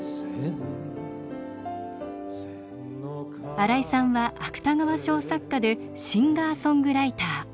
新井さんは芥川賞作家でシンガーソングライター。